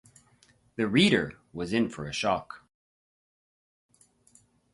The reader was in for a shock.